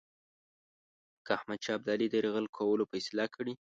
که احمدشاه ابدالي د یرغل کولو فیصله کړې.